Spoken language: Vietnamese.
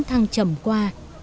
thăng trầm qua